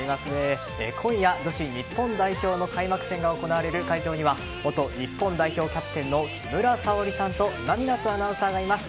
今夜、女子日本代表の開幕戦が行われる会場には元日本代表キャプテンの木村沙織さんと今湊アナウンサーがいます。